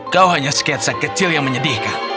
kau hanya sketsa kecil yang menyedihkan